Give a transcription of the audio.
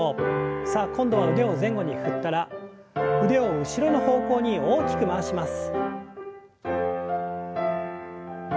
さあ今度は腕を前後に振ったら腕を後ろの方向に大きく回します。